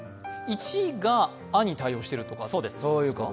１が「あ」に対応しているとか？